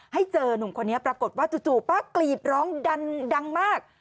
ให้เจอนุ่มคนนี้ปรากฏว่าจู่ป้ากรีดร้องดังมาก